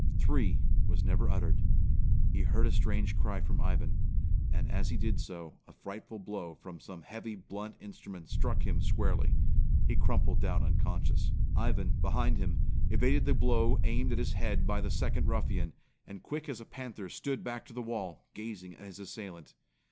"Three" was never uttered. He heard a strange cry from Ivan; and as he did so, a frightful blow from some heavy, blunt instrument struck him squarely. He crumpled down unconscious. Ivan, behind him, evaded the blow aimed at his head by the second ruffian, and quick as a panther stood back to the wall, gazing at his assailant.